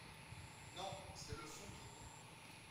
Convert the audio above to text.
Non, c’est le fond qui compte.